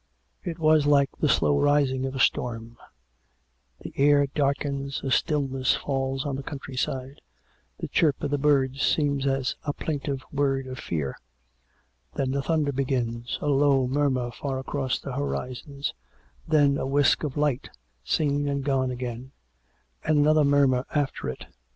... It was like the slow rising of a storm; the air darkens ; a stillness falls on the countryside ; the chirp of the birds seems as a plaintive word of fear; then the thunder begins — a low murmur far across the horizons; then a whisk of light, seen and gone again, and another murmur after it.